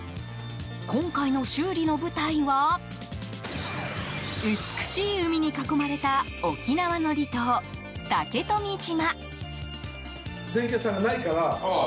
今回の修理の舞台は美しい海に囲まれた沖縄の離島・竹富島。